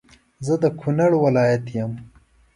زه د کونړ ولایت یم